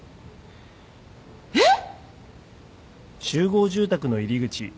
えっ！？